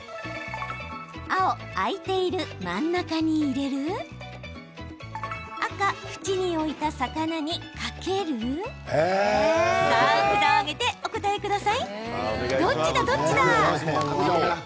青・空いている真ん中に入れる赤・縁に置いた魚にかけるさあ、札を上げてお答えください。